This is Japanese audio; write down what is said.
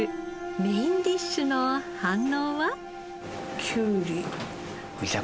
メインディッシュの反応は？